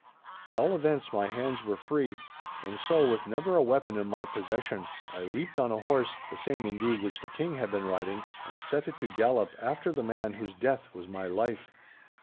At all events, my hands were free, and so, with never a weapon in my possession, I leaped on a horse—the same, indeed, which the King had been riding—and set it to the gallop after the man whose death was my life.